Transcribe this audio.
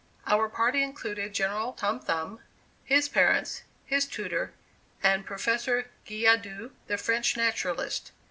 Our party included General Tom Thumb, his parents, his tutor, and Professor Guillaudeu, the French naturalist.